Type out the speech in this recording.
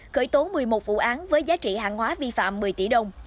khởi tố một mươi một vụ án với giá trị hàng hóa vi phạm một mươi tỷ đồng